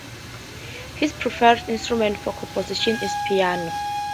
His preferred instrument for composition is piano.